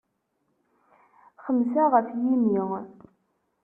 Xemsa ɣef yimi.